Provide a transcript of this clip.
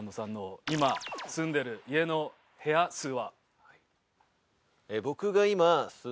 僕が今住んでいる家の部屋数は。